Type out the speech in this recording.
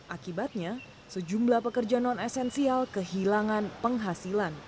akibatnya sejumlah pekerja non esensial kehilangan penghasilan